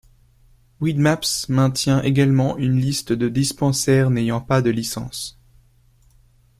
Weedmaps maintient également une liste de dispensaires n'ayant pas de licence.